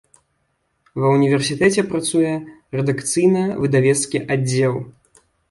Ва ўніверсітэце працуе рэдакцыйна-выдавецкі аддзел.